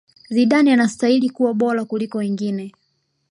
Zidane anastahili kuwa bora kukliko wengine